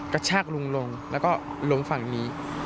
กระชากลุงลงแล้วก็ล้มฝั่งนี้